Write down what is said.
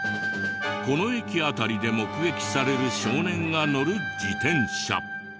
この駅辺りで目撃される少年が乗る自転車。